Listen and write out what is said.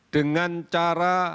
dengan cara lebih tegas